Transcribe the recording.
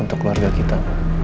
untuk keluarga kita